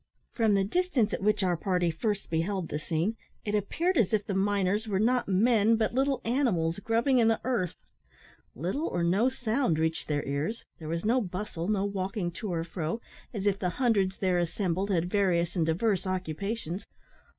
From the distance at which our party first beheld the scene, it appeared as if the miners were not men, but little animals grubbing in the earth. Little or no sound reached their ears; there was no bustle, no walking to and fro, as if the hundreds there assembled had various and diverse occupations.